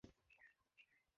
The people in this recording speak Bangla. আমি গিয়ে দেখবো, স্যার?